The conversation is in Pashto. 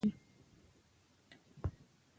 جواهرات د افغان ښځو په ژوند کې رول لري.